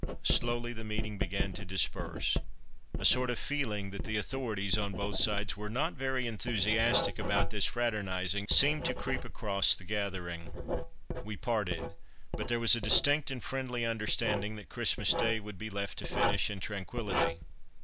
Slowly the meeting began to disperse; a sort of feeling that the authorities on both sides were not very enthusiastic about this fraternizing seemed to creep across the gathering. We parted, but there was a distinct and friendly understanding that Christmas Day would be left to finish in tranquillity.